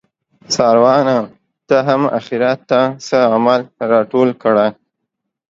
څاروانه ته هم اخیرت ته څه عمل راټول کړه